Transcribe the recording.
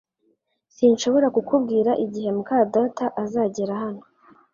Sinshobora kukubwira igihe muka data azagera hano